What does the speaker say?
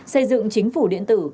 xây dựng chính phủ điện tử